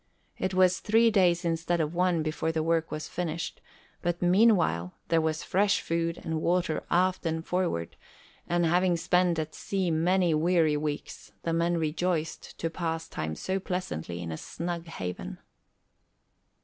It was three days instead of one before the work was finished; but meanwhile there was fresh food and water aft and forward, and having spent at sea many weary weeks, the men rejoiced to pass time so pleasantly in a snug haven.